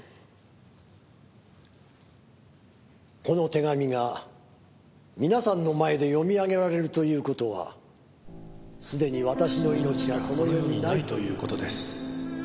「この手紙が皆さんの前で読み上げられるという事はすでに私の命がこの世にないという事です」